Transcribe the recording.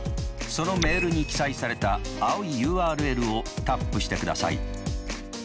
そのメールに記載された青いＵＲＬをタップしてください。